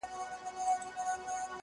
زغره د همت په تن او هیلي یې لښکري دي،